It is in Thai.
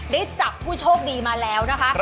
ได้จับผู้โชคดีมาแล้วนะคะ